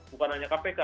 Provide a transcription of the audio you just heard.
bukan hanya kpk